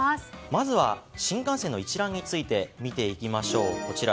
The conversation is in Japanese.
まずは、新幹線の一覧について見ていきましょう。